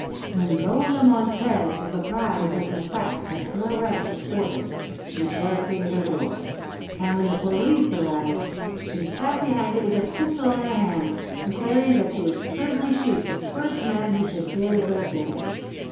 When Lola Montez was apprised of the fact that her arrest was ordered she barricaded her door; and when the police arrived she sat behind it with a pistol in her hand, declaring that she would certainly shoot the first man who should dare to break in."